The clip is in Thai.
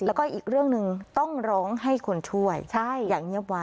แล้วก็อีกเรื่องหนึ่งต้องร้องให้คนช่วยอย่างเงียบวาย